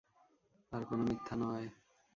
আর কোনো মিথ্যা নয়।